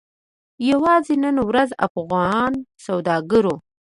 یوازې نن ورځ افغان سوداګرو